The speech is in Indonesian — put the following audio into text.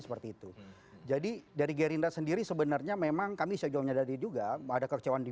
seperti itu jadi dari gerindra sendiri sebenarnya memang kami sejauh nyadari juga ada kekecewaan di